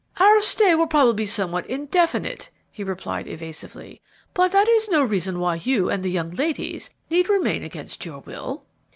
"Our stay will probably be somewhat indefinite," he replied, evasively; "but that is no reason why you and the young ladies need remain against your will."